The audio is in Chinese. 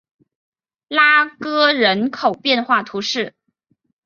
拉戈人口变化图示